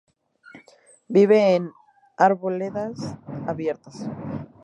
Vive en arboledas abiertas.